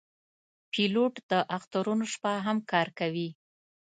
پیلوټ د اخترونو شپه هم کار کوي.